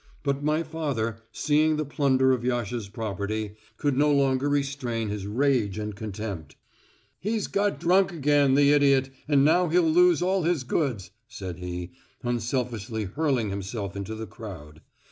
But my father, seeing the plunder of Yasha's property, could no longer restrain his rage and contempt. "He's got drunk again, the idiot, and now he'll lose all his goods," said he, unselfishly hurling himself into the crowd.